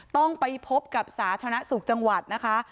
ต้องไปพบกับสาธารณสุขจังหวัดนะคะ